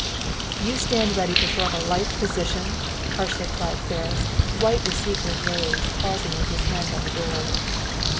"You stand ready to throw up a life position?" harshly cried Ferris, white with secret rage pausing with his hand on the door.